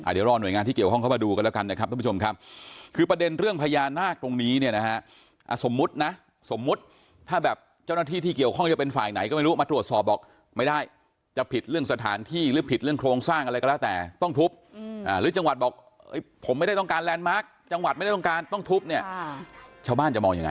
เดี๋ยวรอหน่วยงานที่เกี่ยวข้องเข้ามาดูกันแล้วกันนะครับทุกผู้ชมครับคือประเด็นเรื่องพญานาคตรงนี้เนี่ยนะฮะสมมุตินะสมมุติถ้าแบบเจ้าหน้าที่ที่เกี่ยวข้องจะเป็นฝ่ายไหนก็ไม่รู้มาตรวจสอบบอกไม่ได้จะผิดเรื่องสถานที่หรือผิดเรื่องโครงสร้างอะไรก็แล้วแต่ต้องทุบหรือจังหวัดบอกผมไม่ได้ต้องการแลนดมาร์คจังหวัดไม่ได้ต้องการต้องทุบเนี่ยชาวบ้านจะมองยังไง